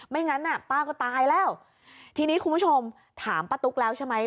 งั้นน่ะป้าก็ตายแล้วทีนี้คุณผู้ชมถามป้าตุ๊กแล้วใช่ไหม